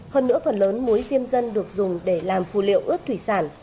hơn nữa phần lớn muối diêm dân được dùng để làm phù liệu ướt thủy sản